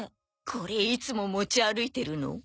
これいつも持ち歩いてるの？